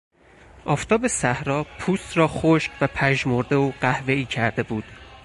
آفتاب صحرا پوست او را خشک و پژمرده و قهوهای کرده بود.